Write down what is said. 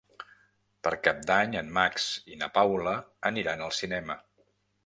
Per Cap d'Any en Max i na Paula aniran al cinema.